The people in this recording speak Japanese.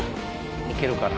行けるかな？